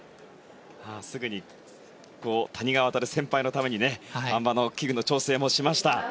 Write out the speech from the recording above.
すぐに谷川航先輩のためにあん馬の器具の調整もしました。